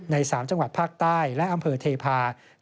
๓จังหวัดภาคใต้และอำเภอเทพา